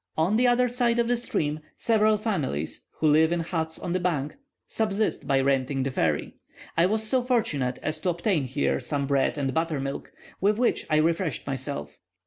On the other side of the stream, several families, who live in huts on the bank, subsist by renting the ferry. I was so fortunate as to obtain here some bread and buttermilk, with which I refreshed myself.